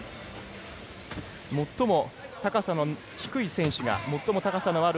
最も高さの低い選手が最も高さのある